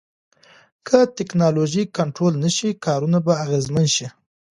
که ټکنالوژي کنټرول نشي، کارونه به اغیزمن شي.